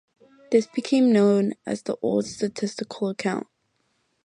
This became known as the Old Statistical Account.